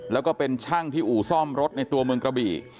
แล้วก็เป็นช่างที่อู่ซ่อมรถในตัวเมืองกระบี่